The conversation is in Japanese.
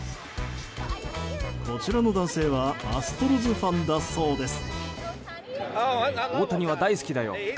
こちらの男性はアストロズファンだそうです。